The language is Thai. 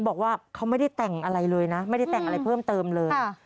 บอกว่าเขาไม่ได้แต่งอะไรเลยนะไม่ได้แต่งอะไรเพิ่มเติมเลย